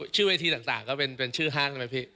ชื่อเวทีต่างก็เป็นชื่อห้างใช่ไหมพี่